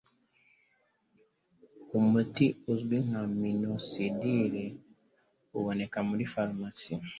Umuti uzwi nka minoxidil uboneka muri farumasi